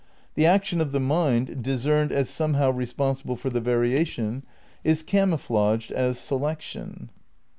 The action of the mind, discerned as somehow responsible for the variation, is camouflaged as selection.